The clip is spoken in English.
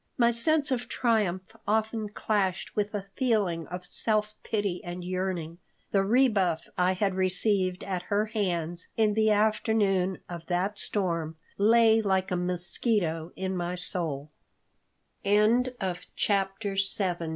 My sense of triumph often clashed with a feeling of self pity and yearning. The rebuff I had received at her hands in the afternoon of that storm lay like a mosquito in my soul BOOK XIII AT HER FATHER'S HOUS